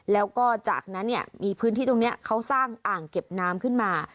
แล้วก็จากนั้นเนี่ยมีพื้นที่ตรงนี้เขาสร้างอ่างเก็บน้ำขึ้นมา